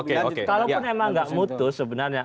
kalaupun ema tidak mutus sebenarnya